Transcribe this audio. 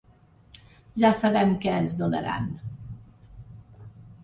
Ja sabem què ens donaran.